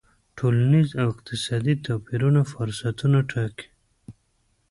ټولنیز او اقتصادي توپیرونه فرصتونه ټاکي.